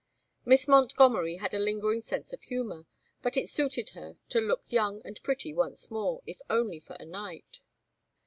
Miss Montgomery had a lingering sense of humor, but it suited her to look young and pretty once more, if only for a night.